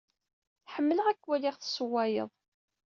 Ḥemmleɣ ad k-waliɣ tessewwayed.